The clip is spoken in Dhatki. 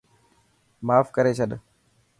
ماف ڪري ڇڏ.